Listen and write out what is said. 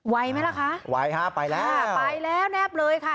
ไหมล่ะคะไวฮะไปแล้วไปแล้วแนบเลยค่ะ